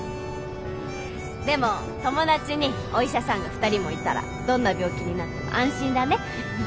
でも友達にお医者さんが２人もいたらどんな病気になっても安心だね。